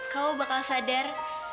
kamu bakal sadar